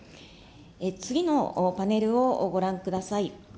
次のパネルをご覧ください。